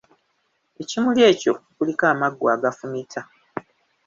Ekimuli ekyo kuliko amaggwa agafumita.